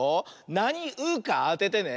なに「う」かあててね。